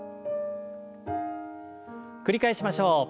繰り返しましょう。